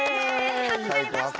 始まりました！